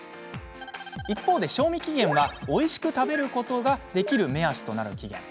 一方、賞味期限はおいしく食べることができる目安となる期限。